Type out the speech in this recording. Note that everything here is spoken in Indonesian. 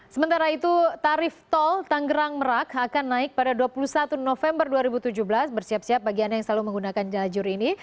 sementara itu tarif tol tanggerang merak akan naik pada dua puluh satu november dua ribu tujuh belas bersiap siap bagi anda yang selalu menggunakan jajur ini